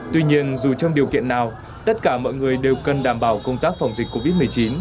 tuy nhiên dù trong điều kiện nào tất cả mọi người đều cần đảm bảo công tác phòng dịch covid một mươi chín